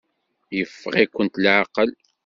Yeffeɣ-ikent leɛqel?